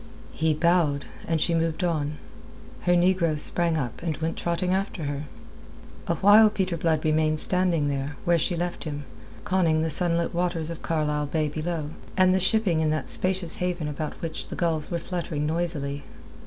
He bowed, and she moved on. Her negroes sprang up, and went trotting after her. Awhile Peter Blood remained standing there, where she left him, conning the sunlit waters of Carlisle Bay below, and the shipping in that spacious haven about which the gulls were fluttering noisily.